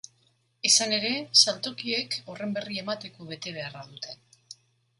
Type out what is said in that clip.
Izan ere, saltokiek horren berri emateko betebeharra dute.